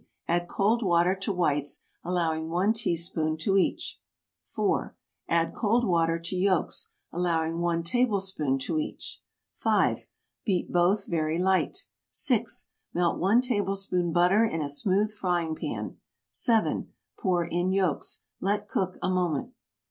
Add cold water to whites, allowing 1 teaspoon to each. 4. Add cold water to yolks, allowing 1 tablespoon to each. 5. Beat both very light. 6. Melt 1 tablespoon butter in a smooth frying pan. 7. Pour in yolks. Let cook a moment.